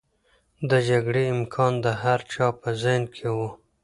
د جګړې امکان د هر چا په ذهن کې و.